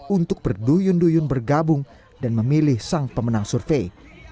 untuk berduyun duyun bergabung dan memilih sang pemenang survei